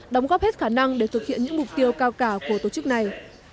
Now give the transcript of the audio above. đóng góp hết khả năng để thực hiện những mục tiêu cao cả của tổ chức này